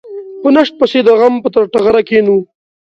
په نشت پسې د غم په ټغره کېنو.